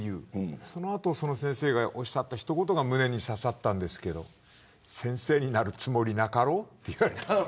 その後、その先生がおっしゃった一言が胸に刺さったんですけど先生になるつもりなかろうと言われた。